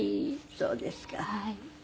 そうですか。